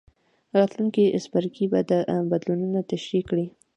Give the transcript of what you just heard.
راتلونکی څپرکی به دا بدلونونه تشریح کړي.